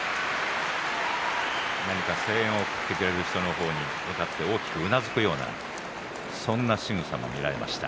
何か声援を送ってくれる人の方に向かって大きくうなずくようなそんなしぐさも見られました。